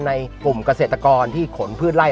ในกลุ่มเกษตรกรที่ขนพืชไล่